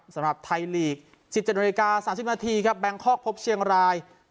สำหรับไทยลีก๑๗น๓๐นแบงคอกพบเชียงราย